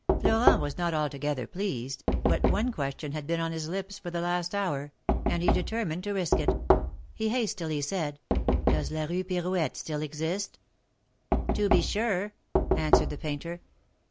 Florent was not altogether pleased, but one question had been on his lips for the last hour, and he determined to risk it. He hastily said : ''Does la Rue Pirouette still exist?" "To be sure," answered the painter.